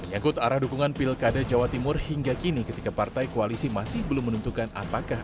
menyangkut arah dukungan pilkada jawa timur hingga kini ketika partai koalisi masih belum menentukan apakah